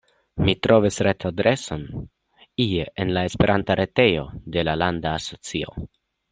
Mi trovis retadreson ie en la Esperanto-retejo de la landa asocio.